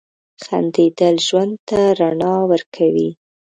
• خندېدل ژوند ته رڼا ورکوي.